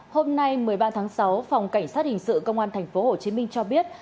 hôm nay một mươi ba tháng sáu phòng cảnh sát hình sự công an tp hcm cho biết